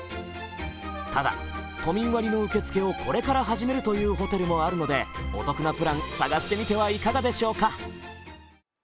ただ、都民割の受け付けをこれから始めるというホテルもあるのでお得なプラン、探してみてはいかがでしょうか。